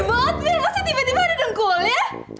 aneh banget mil pasti tiba tiba ada dengkulnya